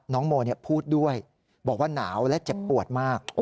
น้องโมพูดด้วยบอกว่าหนาวและเจ็บปวดมาก